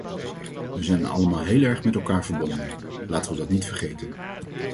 We zijn allemaal heel erg met elkaar verbonden: laten we dat niet vergeten.